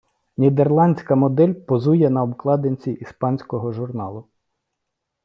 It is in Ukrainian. Нідерландська модель позує на обкладинці іспанського журналу.